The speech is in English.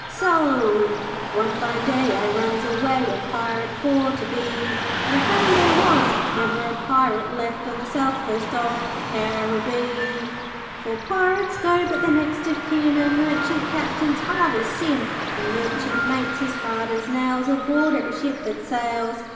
'So one fine day I runs away A Pirate for to be; But I found there was never a Pirate left On the coast of Caribbee. 'For Pirates go, but their next of kin Are Merchant Captains, hard as sin, And Merchant Mates as hard as nails Aboard of every ship that sails.